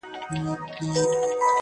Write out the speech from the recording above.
له دوا او له طبیب سره یې ژوند وو؛